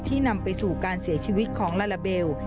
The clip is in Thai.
นำไปสู่การเสียชีวิตของลาลาเบล